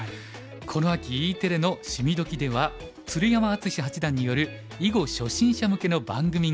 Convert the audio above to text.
この秋Ｅテレの「趣味どきっ！」では鶴山淳志八段による囲碁初心者向けの番組が始まりました。